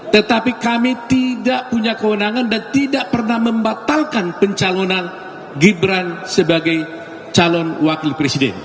tetapi kami tidak punya kewenangan dan tidak pernah membatalkan pencalonan gibran sebagai calon wakil presiden